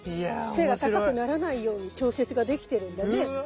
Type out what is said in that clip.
背が高くならないように調節ができてるんだね。